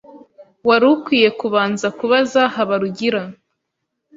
Wari ukwiye kubanza kubaza Habarugira.